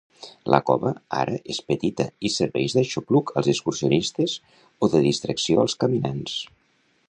La cova ara és petita i serveix d'aixopluc als excursionistes o de distracció als caminants.